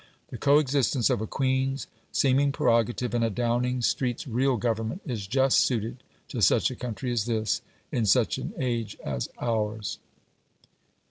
The co existence of a Queen's seeming prerogative and a Downing Street's real government is just suited to such a country as this, in such an age as ours.